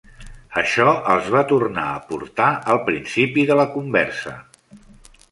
Això els va tornar a portar al principi de la conversa.